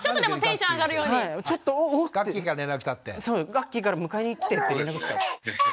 ガッキーから迎えに来てって連絡来たって。